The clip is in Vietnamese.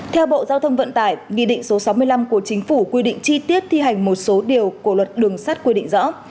theo bộ giao thông vận tải nghị định số sáu mươi năm của chính phủ quy định chi tiết thi hành một số điều của luật đường sắt quy định rõ